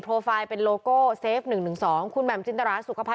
เค้าเป็นแคนดิเดตของภักดิ์เช่นนั้นไง